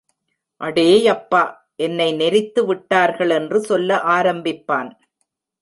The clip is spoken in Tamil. அடேயப்பா என்னை நெரித்து விட்டார்கள் என்று சொல்ல ஆரம்பிப்பான்.